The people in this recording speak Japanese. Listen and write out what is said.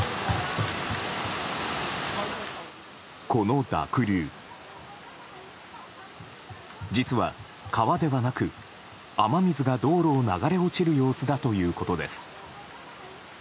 この濁流、実は川ではなく雨水が道路を流れ落ちる様子だということです。